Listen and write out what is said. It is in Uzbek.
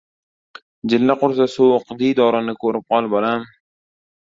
Jilla qursa sovuq diy- dorini ko‘rib qol, bolam...